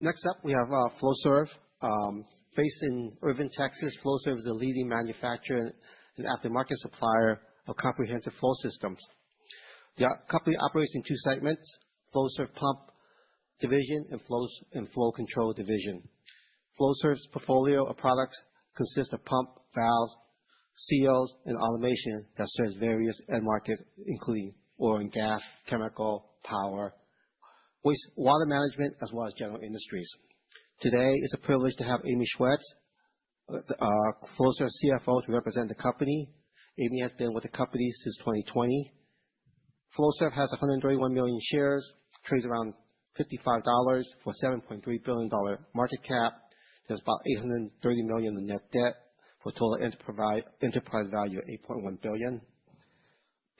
Next up, we have Flowserve. Based in Irving, Texas, Flowserve is a leading manufacturer and aftermarket supplier of comprehensive flow systems. The company operates in two segments: Flowserve Pump Division and Flow Control Division. Flowserve's portfolio of products consists of pumps, valves, seals, and automation that serves various end markets, including oil and gas, chemical, power, water management, as well as general industries. Today, it's a privilege to have Amy Schwetz, Flowserve's CFO, to represent the company. Amy has been with the company since 2020. Flowserve has 131 million shares, trades around $55 for a $7.3 billion market cap. There's about $830 million in net debt for total enterprise value of $8.1 billion.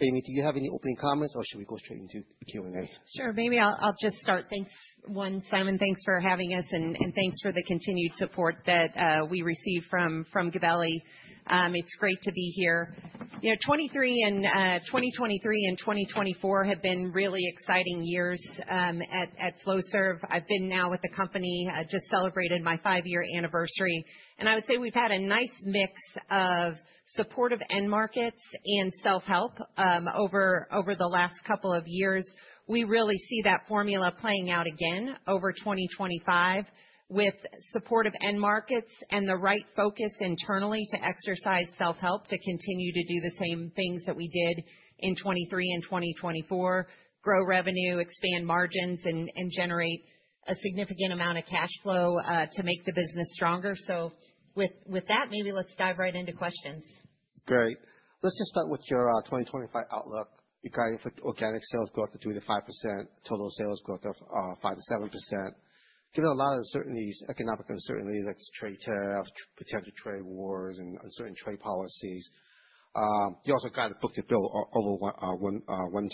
Amy, do you have any opening comments, or should we go straight into Q&A? Sure. Maybe I'll just start. Thanks, Simon. Thanks for having us, and thanks for the continued support that we receive from Gabelli. It's great to be here. 2023 and 2024 have been really exciting years at Flowserve. I've been now with the company, just celebrated my five-year anniversary, and I would say we've had a nice mix of supportive end markets and self-help over the last couple of years. We really see that formula playing out again over 2025 with supportive end markets and the right focus internally to exercise self-help to continue to do the same things that we did in 2023 and 2024: grow revenue, expand margins, and generate a significant amount of cash flow to make the business stronger. So with that, maybe let's dive right into questions. Great. Let's just start with your 2025 outlook. You're guiding for organic sales growth to 2%-5%, total sales growth of 5%-7%. Given a lot of uncertainties, economic uncertainties like trade tariffs, potential trade wars, and uncertain trade policies, you also got a book-to-bill over 1 to 1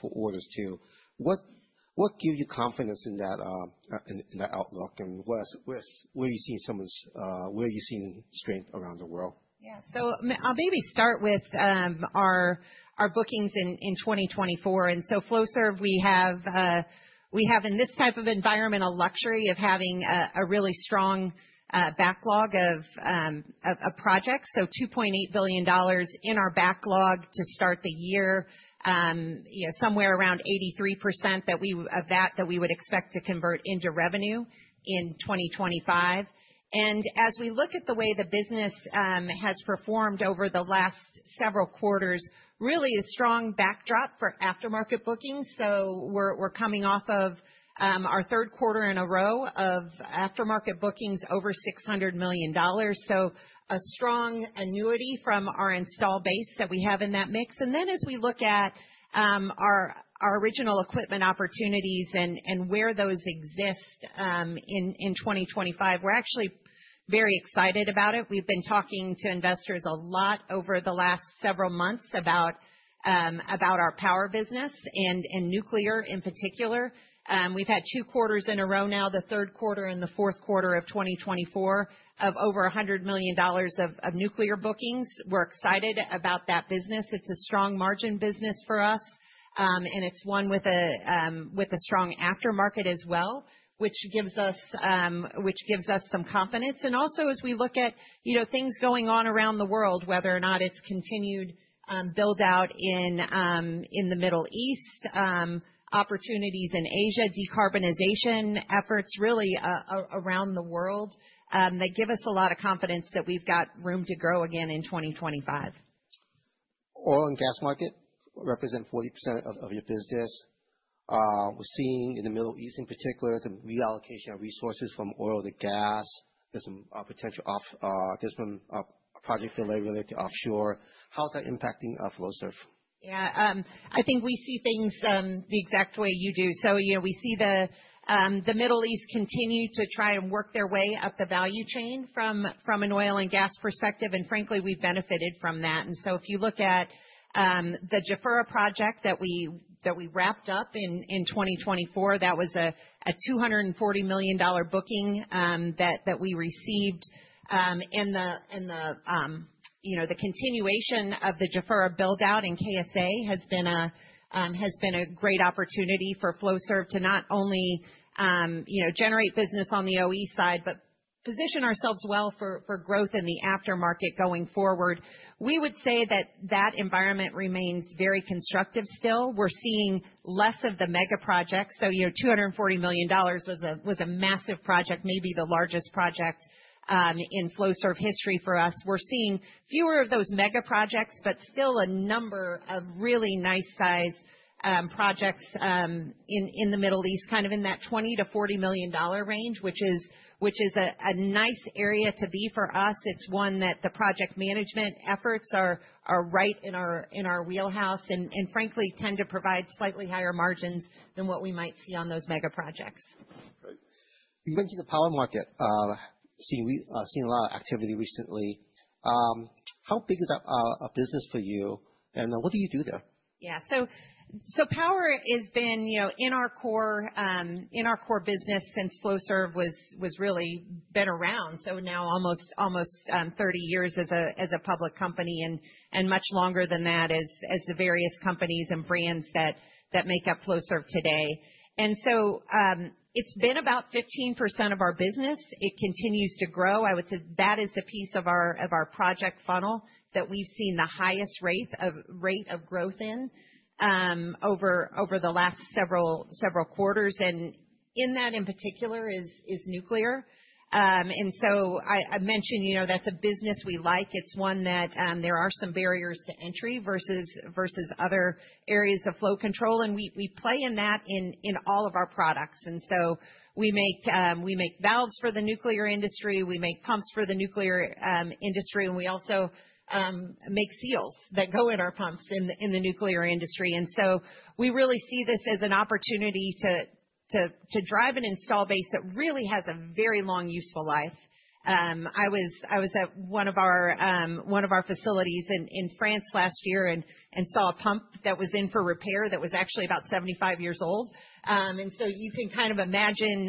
for orders too. What gives you confidence in that outlook? And where are you seeing strength around the world? Yeah. So I'll maybe start with our bookings in 2024. And so Flowserve, we have in this type of environment a luxury of having a really strong backlog of projects. So $2.8 billion in our backlog to start the year, somewhere around 83% of that we would expect to convert into revenue in 2025. And as we look at the way the business has performed over the last several quarters, really a strong backdrop for aftermarket bookings. So we're coming off of our third quarter in a row of aftermarket bookings over $600 million. So a strong annuity from our install base that we have in that mix. And then as we look at our original equipment opportunities and where those exist in 2025, we're actually very excited about it. We've been talking to investors a lot over the last several months about our power business and nuclear in particular. We've had two quarters in a row now, the third quarter and the fourth quarter of 2024, of over $100 million of nuclear bookings. We're excited about that business. It's a strong margin business for us, and it's one with a strong aftermarket as well, which gives us some confidence. And also, as we look at things going on around the world, whether or not it's continued build-out in the Middle East, opportunities in Asia, decarbonization efforts really around the world that give us a lot of confidence that we've got room to grow again in 2025. Oil and gas market represent 40% of your business. We're seeing in the Middle East, in particular, some reallocation of resources from oil to gas. There's been a project delay related to offshore. How's that impacting Flowserve? Yeah. I think we see things the exact way you do. So we see the Middle East continue to try and work their way up the value chain from an oil and gas perspective. And frankly, we've benefited from that. And so if you look at the Jafurah project that we wrapped up in 2024, that was a $240 million booking that we received. And the continuation of the Jafurah build-out in KSA has been a great opportunity for Flowserve to not only generate business on the OE side, but position ourselves well for growth in the aftermarket going forward. We would say that that environment remains very constructive still. We're seeing less of the mega projects. So $240 million was a massive project, maybe the largest project in Flowserve history for us. We're seeing fewer of those mega projects, but still a number of really nice-sized projects in the Middle East, kind of in that $20 million-$40 million range, which is a nice area to be for us. It's one that the project management efforts are right in our wheelhouse and frankly tend to provide slightly higher margins than what we might see on those mega projects. Great. You mentioned the power market. Seen a lot of activity recently. How big is that a business for you? And what do you do there? Yeah. So power has been in our core business since Flowserve has really been around. So now almost 30 years as a public company and much longer than that as the various companies and brands that make up Flowserve today. And so it's been about 15% of our business. It continues to grow. I would say that is the piece of our project funnel that we've seen the highest rate of growth in over the last several quarters. And in that, in particular, is nuclear. And so I mentioned that's a business we like. It's one that there are some barriers to entry versus other areas of flow control. And we play in that in all of our products. And so we make valves for the nuclear industry. We make pumps for the nuclear industry. And we also make seals that go in our pumps in the nuclear industry. And so we really see this as an opportunity to drive an install base that really has a very long useful life. I was at one of our facilities in France last year and saw a pump that was in for repair that was actually about 75 years old. And so you can kind of imagine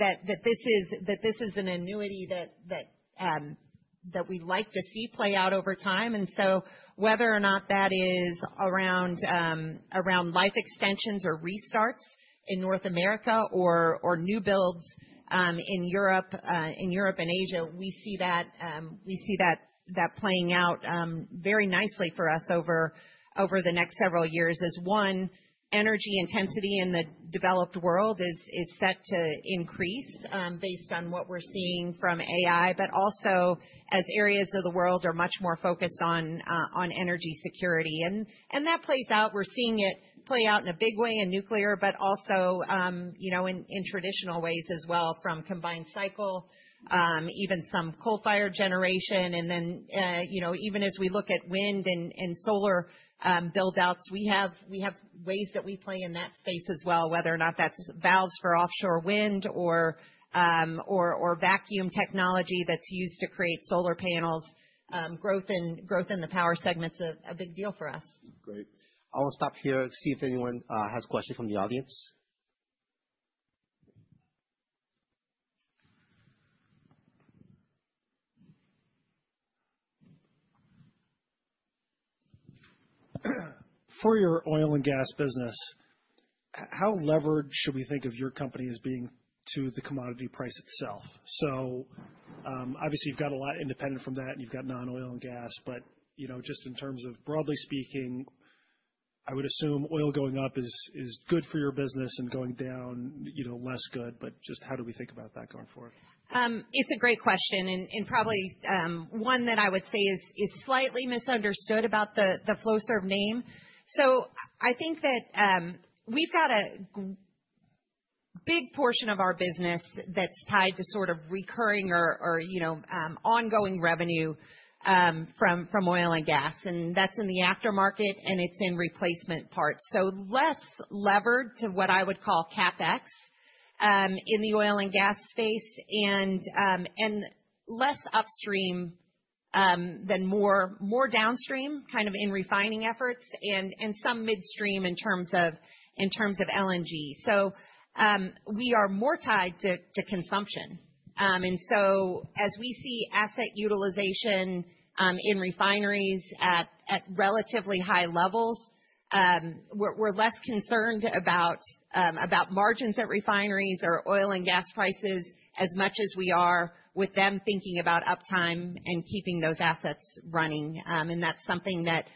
that this is an annuity that we'd like to see play out over time. And so whether or not that is around life extensions or restarts in North America or new builds in Europe and Asia, we see that playing out very nicely for us over the next several years as, one, energy intensity in the developed world is set to increase based on what we're seeing from AI, but also as areas of the world are much more focused on energy security. And that plays out. We're seeing it play out in a big way in nuclear, but also in traditional ways as well from combined cycle, even some coal-fired generation, and then even as we look at wind and solar build-outs, we have ways that we play in that space as well, whether or not that's valves for offshore wind or vacuum technology that's used to create solar panels. Growth in the power segment's a big deal for us. Great. I'll stop here and see if anyone has questions from the audience. For your oil and gas business, how leveraged should we think of your company as being to the commodity price itself? So obviously, you've got a lot independent from that, and you've got non-oil and gas. But just in terms of broadly speaking, I would assume oil going up is good for your business and going down less good. But just how do we think about that going forward? It's a great question, and probably one that I would say is slightly misunderstood about the Flowserve name. So I think that we've got a big portion of our business that's tied to sort of recurring or ongoing revenue from oil and gas, and that's in the aftermarket, and it's in replacement parts. So less levered to what I would call CapEx in the oil and gas space and less upstream than more downstream kind of in refining efforts and some midstream in terms of LNG. So we are more tied to consumption, and so as we see asset utilization in refineries at relatively high levels, we're less concerned about margins at refineries or oil and gas prices as much as we are with them thinking about uptime and keeping those assets running. That's something that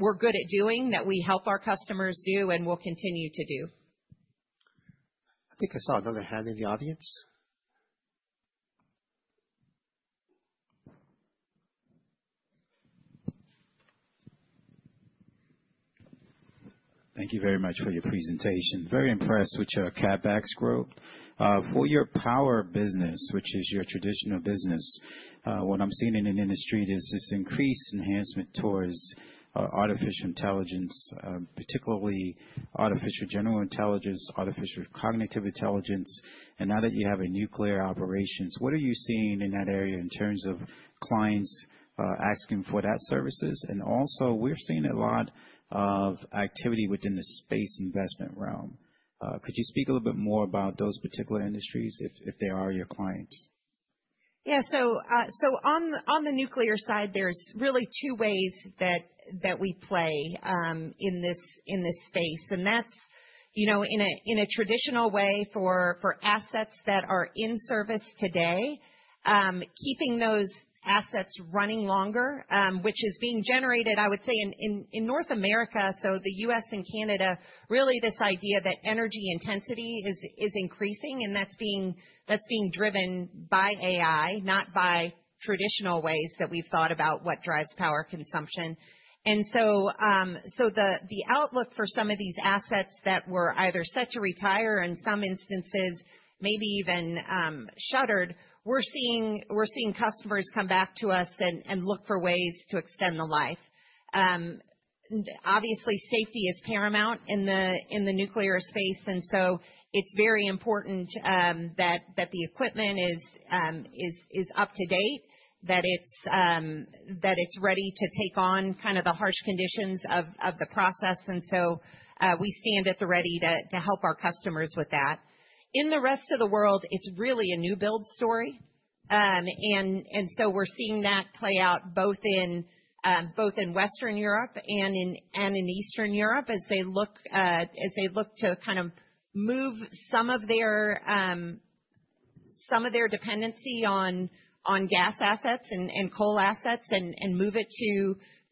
we're good at doing, that we help our customers do and will continue to do. I think I saw another hand in the audience. Thank you very much for your presentation. Very impressed with your CapEx growth. For your power business, which is your traditional business, what I'm seeing in the industry is this increased enhancement towards artificial intelligence, particularly artificial general intelligence, artificial cognitive intelligence. And now that you have a nuclear operations, what are you seeing in that area in terms of clients asking for that services? And also, we're seeing a lot of activity within the space investment realm. Could you speak a little bit more about those particular industries if they are your clients? Yeah, so on the nuclear side, there's really two ways that we play in this space, and that's in a traditional way for assets that are in service today, keeping those assets running longer, which is being generated, I would say, in North America, so the U.S. and Canada, really this idea that energy intensity is increasing, and that's being driven by AI, not by traditional ways that we've thought about what drives power consumption, and so the outlook for some of these assets that were either set to retire or in some instances maybe even shuttered, we're seeing customers come back to us and look for ways to extend the life. Obviously, safety is paramount in the nuclear space, and so it's very important that the equipment is up to date, that it's ready to take on kind of the harsh conditions of the process. And so we stand at the ready to help our customers with that. In the rest of the world, it's really a new build story. And so we're seeing that play out both in Western Europe and in Eastern Europe as they look to kind of move some of their dependency on gas assets and coal assets and move it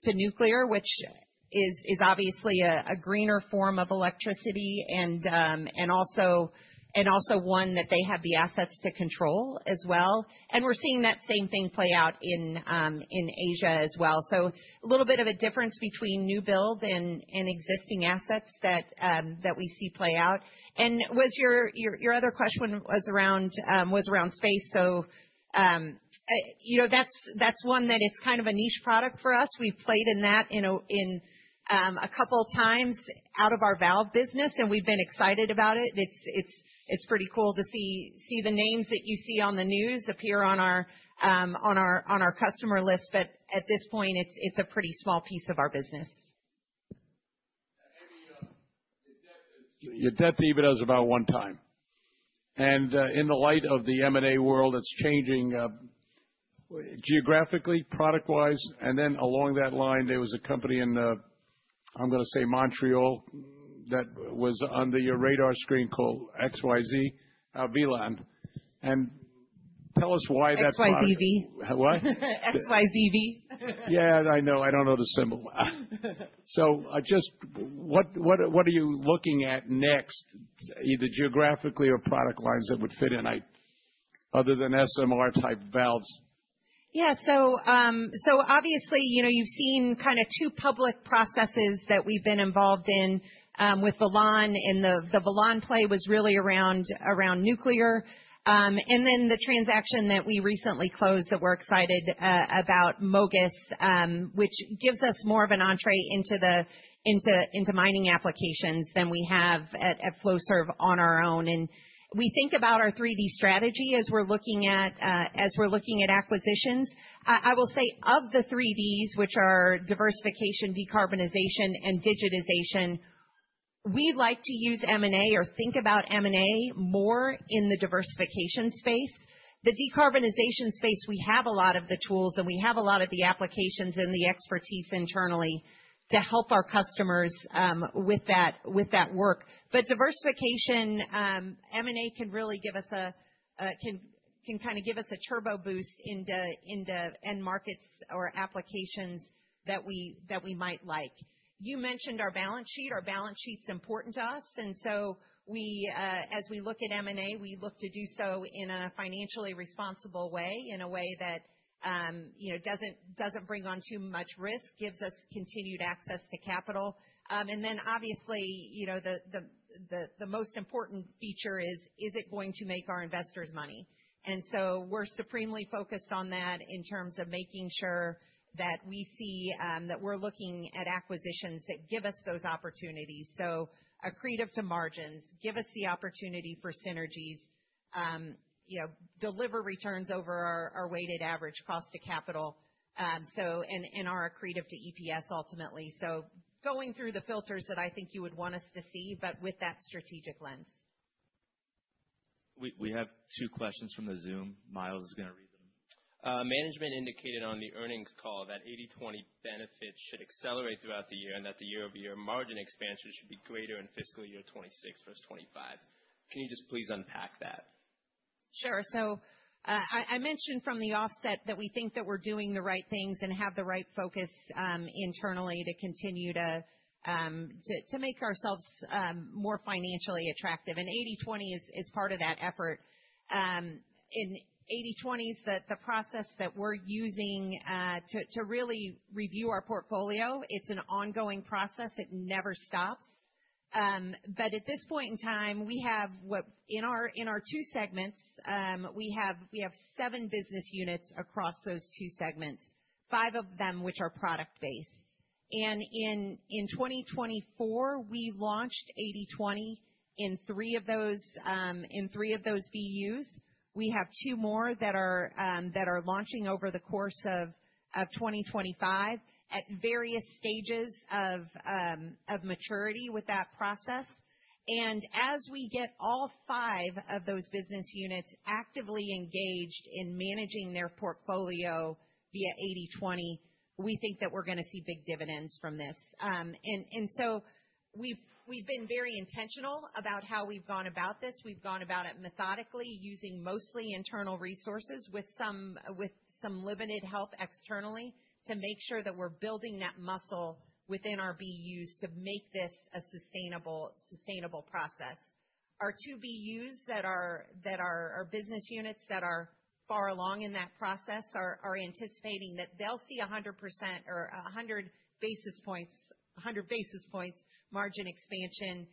to nuclear, which is obviously a greener form of electricity and also one that they have the assets to control as well. And we're seeing that same thing play out in Asia as well. So a little bit of a difference between new build and existing assets that we see play out. And your other question was around space. So that's one that it's kind of a niche product for us. We've played in that a couple of times out of our valve business, and we've been excited about it.It's pretty cool to see the names that you see on the news appear on our customer list. But at this point, it's a pretty small piece of our business. Your debt even has about one time. And in the light of the M&A world, it's changing geographically, product-wise. And then along that line, there was a company in, I'm going to say, Montreal, that was on your radar screen called XYZ, Velan. And tell us why that's not. XYZV. What? XYZV. Yeah, I know. I don't know the symbol. So just what are you looking at next, either geographically or product lines that would fit in other than SMR-type valves? Yeah. So obviously, you've seen kind of two public processes that we've been involved in with Velan. And the Velan play was really around nuclear. And then the transaction that we recently closed that we're excited about, MOGAS, which gives us more of an entrée into mining applications than we have at Flowserve on our own. And we think about our 3D strategy as we're looking at acquisitions. I will say of the 3Ds, which are diversification, decarbonization, and digitization, we like to use M&A or think about M&A more in the diversification space. The decarbonization space, we have a lot of the tools and we have a lot of the applications and the expertise internally to help our customers with that work. But diversification, M&A can really give us a turbo boost into end markets or applications that we might like. You mentioned our balance sheet. Our balance sheet's important to us, and so as we look at M&A, we look to do so in a financially responsible way, in a way that doesn't bring on too much risk, gives us continued access to capital, and then obviously, the most important feature is, is it going to make our investors money? And so we're supremely focused on that in terms of making sure that we see that we're looking at acquisitions that give us those opportunities, so accretive to margins give us the opportunity for synergies, deliver returns over our weighted average cost of capital, and our accretive to EPS ultimately, so going through the filters that I think you would want us to see, but with that strategic lens. We have two questions from the Zoom. Miles is going to read them. Management indicated on the earnings call that 80/20 benefits should accelerate throughout the year and that the year-over-year margin expansion should be greater in fiscal year 2026 versus 2025. Can you just please unpack that? Sure. So I mentioned from the outset that we think that we're doing the right things and have the right focus internally to continue to make ourselves more financially attractive. And 80/20 is part of that effort. In 80/20s, the process that we're using to really review our portfolio, it's an ongoing process. It never stops. But at this point in time, we have in our two segments, we have seven business units across those two segments, five of them which are product-based. And in 2024, we launched 80/20 in three of those BUs. We have two more that are launching over the course of 2025 at various stages of maturity with that process. And as we get all five of those business units actively engaged in managing their portfolio via 80/20, we think that we're going to see big dividends from this. And so we've been very intentional about how we've gone about this. We've gone about it methodically using mostly internal resources with some limited help externally to make sure that we're building that muscle within our BUs to make this a sustainable process. Our two BUs that are business units that are far along in that process are anticipating that they'll see 100 basis points margin expansion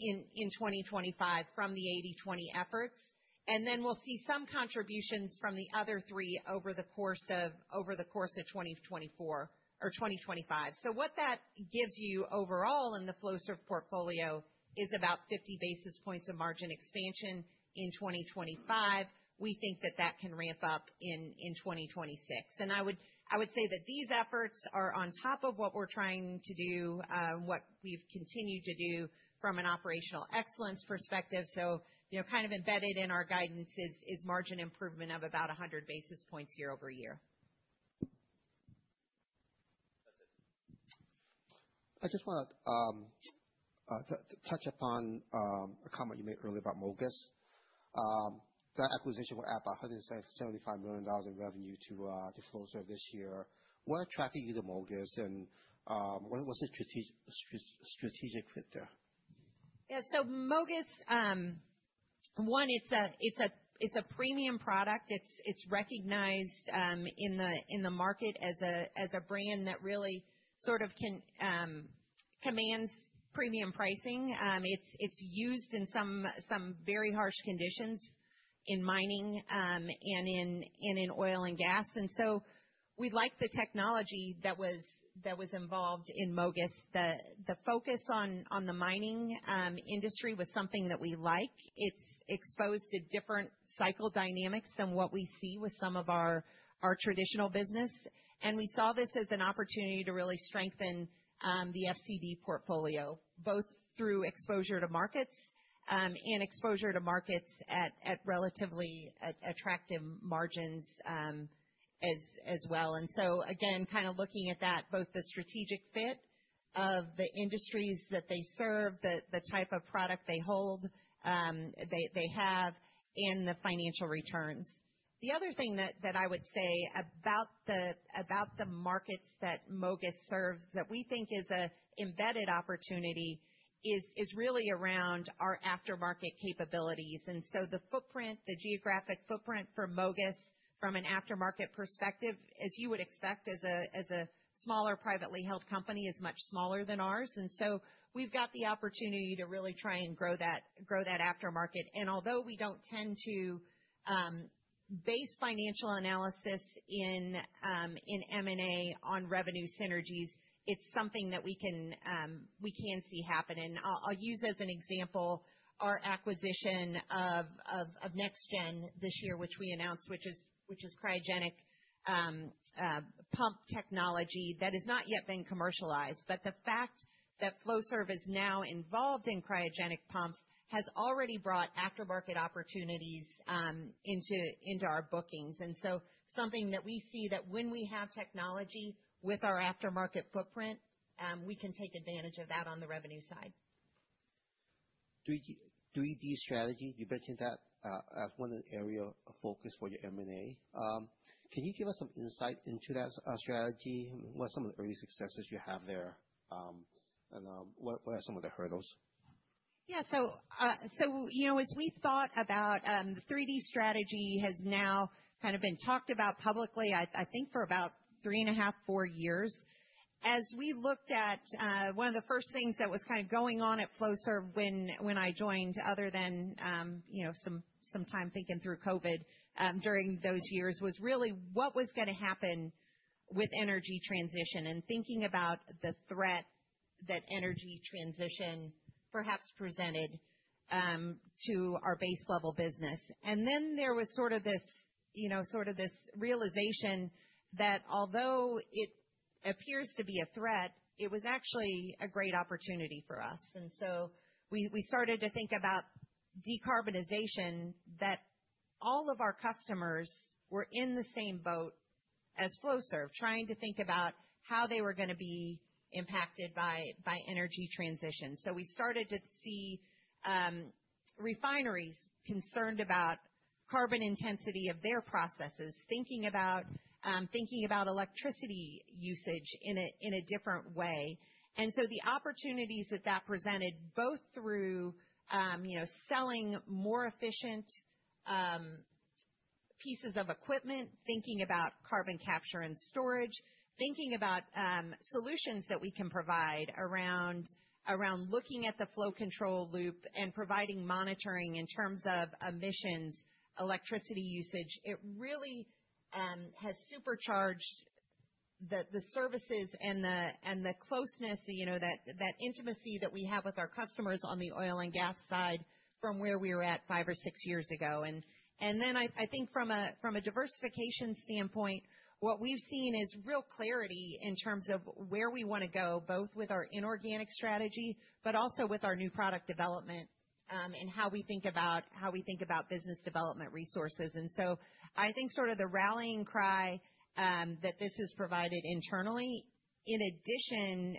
in 2025 from the 80/20 efforts. And then we'll see some contributions from the other three over the course of 2024 or 2025. So what that gives you overall in the Flowserve portfolio is about 50 basis points of margin expansion in 2025. We think that that can ramp up in 2026. And I would say that these efforts are on top of what we're trying to do, what we've continued to do from an operational excellence perspective. So kind of embedded in our guidance is margin improvement of about 100 basis points year-over-year. I just want to touch upon a comment you made earlier about MOGAS. That acquisition will add about $175 million in revenue to Flowserve this year. What attracted you to MOGAS, and what's the strategic fit there? Yeah. So MOGAS, one, it's a premium product. It's recognized in the market as a brand that really sort of commands premium pricing. It's used in some very harsh conditions in mining and in oil and gas. And so we like the technology that was involved in MOGAS. The focus on the mining industry was something that we like. It's exposed to different cycle dynamics than what we see with some of our traditional business. And we saw this as an opportunity to really strengthen the FCD portfolio, both through exposure to markets and exposure to markets at relatively attractive margins as well. And so again, kind of looking at that, both the strategic fit of the industries that they serve, the type of product they hold, they have, and the financial returns. The other thing that I would say about the markets that MOGAS serves that we think is an embedded opportunity is really around our aftermarket capabilities. And so the footprint, the geographic footprint for MOGAS from an aftermarket perspective, as you would expect as a smaller privately held company, is much smaller than ours. And so we've got the opportunity to really try and grow that aftermarket. And although we don't tend to base financial analysis in M&A on revenue synergies, it's something that we can see happen. And I'll use as an example our acquisition of NexGen this year, which we announced, which is cryogenic pump technology that has not yet been commercialized. But the fact that Flowserve is now involved in cryogenic pumps has already brought aftermarket opportunities into our bookings. Something that we see that when we have technology with our aftermarket footprint, we can take advantage of that on the revenue side. 3D strategy, you mentioned that as one area of focus for your M&A. Can you give us some insight into that strategy? What are some of the early successes you have there? And what are some of the hurdles? Yeah, so as we thought about the 3D strategy has now kind of been talked about publicly, I think for about three and a half, four years. As we looked at one of the first things that was kind of going on at Flowserve when I joined, other than some time thinking through COVID during those years, was really what was going to happen with energy transition and thinking about the threat that energy transition perhaps presented to our base level business, and then there was sort of this realization that although it appears to be a threat, it was actually a great opportunity for us, and so we started to think about decarbonization, that all of our customers were in the same boat as Flowserve, trying to think about how they were going to be impacted by energy transition. So we started to see refineries concerned about carbon intensity of their processes, thinking about electricity usage in a different way. And so the opportunities that that presented, both through selling more efficient pieces of equipment, thinking about carbon capture and storage, thinking about solutions that we can provide around looking at the flow control loop and providing monitoring in terms of emissions, electricity usage. It really has supercharged the services and the closeness, that intimacy that we have with our customers on the oil and gas side from where we were at five or six years ago. And then I think from a diversification standpoint, what we've seen is real clarity in terms of where we want to go, both with our inorganic strategy, but also with our new product development and how we think about business development resources. And so I think sort of the rallying cry that this has provided internally, in addition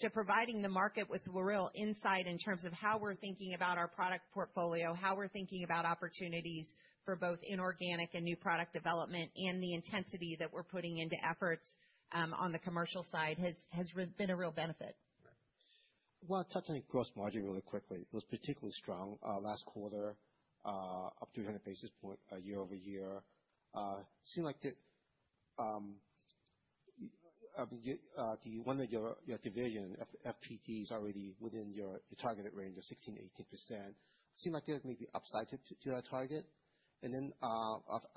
to providing the market with real insight in terms of how we're thinking about our product portfolio, how we're thinking about opportunities for both inorganic and new product development, and the intensity that we're putting into efforts on the commercial side has been a real benefit. Right. Well, touching on gross margin really quickly, it was particularly strong last quarter, up 200 basis points year-over-year. Seemed like the one that your division, FPD, is already within your targeted range of 16%-18%. Seemed like there may be upside to that target. And then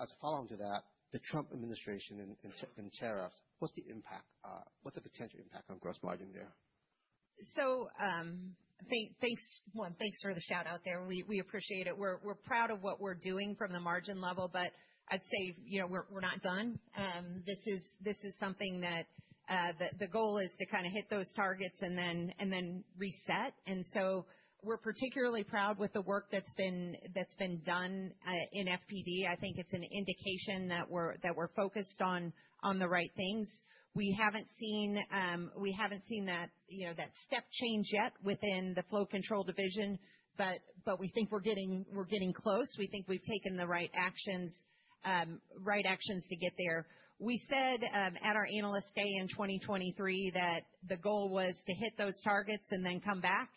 as a follow-on to that, the Trump administration and tariffs, what's the impact? What's the potential impact on gross margin there? So thanks for the shout-out there. We appreciate it. We're proud of what we're doing from the margin level, but I'd say we're not done. This is something that the goal is to kind of hit those targets and then reset. And so we're particularly proud with the work that's been done in FPD. I think it's an indication that we're focused on the right things. We haven't seen that step change yet within the Flow Control Division, but we think we're getting close. We think we've taken the right actions to get there. We said at our analyst day in 2023 that the goal was to hit those targets and then come back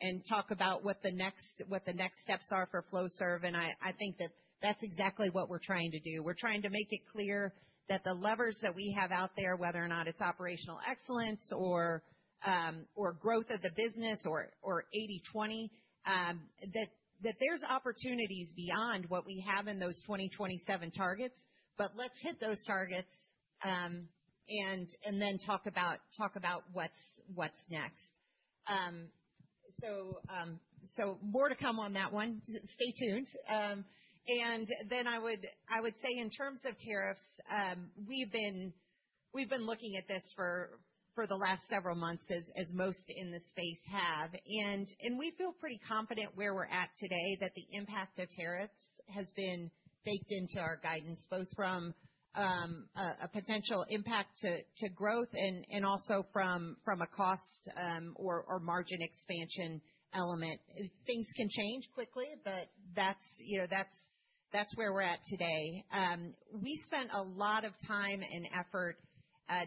and talk about what the next steps are for Flowserve. And I think that that's exactly what we're trying to do. We're trying to make it clear that the levers that we have out there, whether or not it's operational excellence or growth of the business or 80/20, that there's opportunities beyond what we have in those 2027 targets, but let's hit those targets and then talk about what's next. So more to come on that one. Stay tuned. And then I would say in terms of tariffs, we've been looking at this for the last several months, as most in the space have. And we feel pretty confident where we're at today that the impact of tariffs has been baked into our guidance, both from a potential impact to growth and also from a cost or margin expansion element. Things can change quickly, but that's where we're at today. We spent a lot of time and effort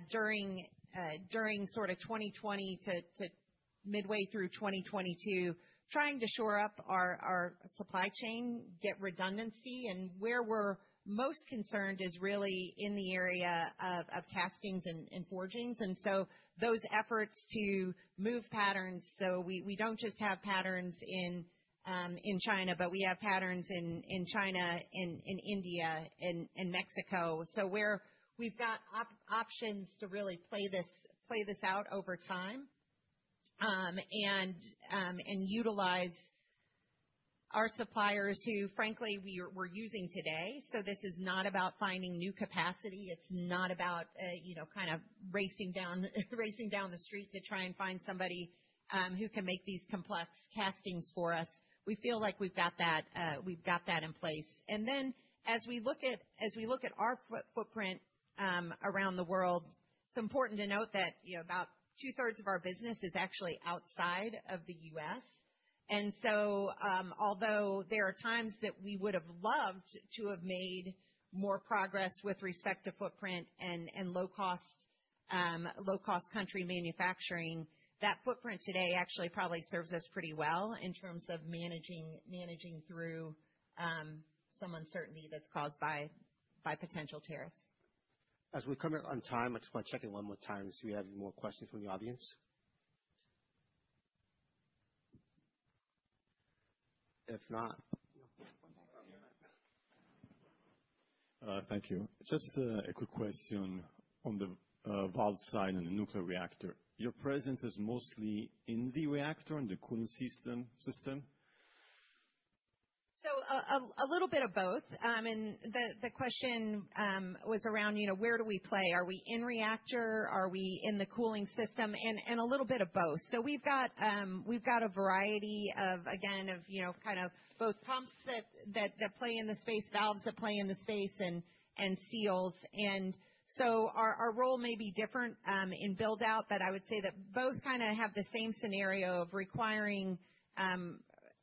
during sort of 2020 to midway through 2022 trying to shore up our supply chain, get redundancy. And where we're most concerned is really in the area of castings and forgings. And so those efforts to move patterns, so we don't just have patterns in China, but we have patterns in China, in India, in Mexico. So we've got options to really play this out over time and utilize our suppliers who, frankly, we're using today. So this is not about finding new capacity. It's not about kind of racing down the street to try and find somebody who can make these complex castings for us. We feel like we've got that in place. And then as we look at our footprint around the world, it's important to note that about 2/3 of our business is actually outside of the U.S. And so although there are times that we would have loved to have made more progress with respect to footprint and low-cost country manufacturing, that footprint today actually probably serves us pretty well in terms of managing through some uncertainty that's caused by potential tariffs. As we're coming up on time, I just want to check in one more time to see if we have any more questions from the audience. If not. Thank you. Just a quick question on the valve side and the nuclear reactor. Your presence is mostly in the reactor and the cooling system? A little bit of both. The question was around where do we play? Are we in reactor? Are we in the cooling system? A little bit of both. We've got a variety, again, of kind of both pumps that play in the space, valves that play in the space, and seals. Our role may be different in build-out, but I would say that both kind of have the same scenario of requiring,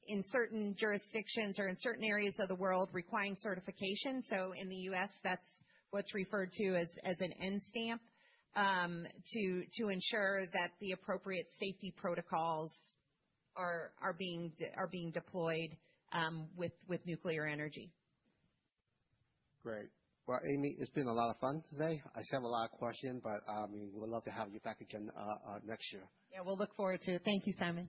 in certain jurisdictions or in certain areas of the world, requiring certification. In the U.S., that's what's referred to as an N-Stamp to ensure that the appropriate safety protocols are being deployed with nuclear energy. Great. Well, Amy, it's been a lot of fun today. I just have a lot of questions, but I mean, we'd love to have you back again next year. Yeah, we'll look forward to it. Thank you, Simon.